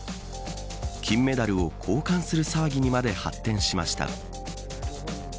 金メダルを交換する騒ぎにまで発展しました。